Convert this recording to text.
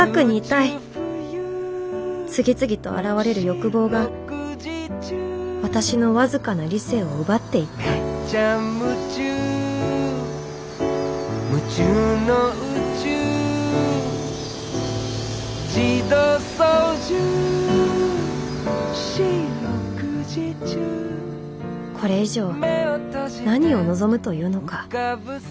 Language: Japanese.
次々と現れる欲望が私の僅かな理性を奪っていったこれ以上何を望むというのか？